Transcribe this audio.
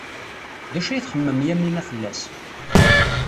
D acu ay txemmem Yamina fell-as?